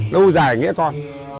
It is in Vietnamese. nâu dài nghĩa con